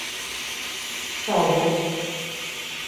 Šaubos.